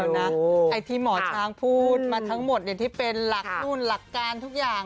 เดี๋ยวนะไอ้ที่หมอช้างพูดมาทั้งหมดเนี่ยที่เป็นหลักฟูนหลักการทุกอย่าง